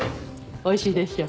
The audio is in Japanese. おいしいでしょ？